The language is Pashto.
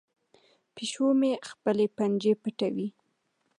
پیشو مې خپلې پنجې پټوي.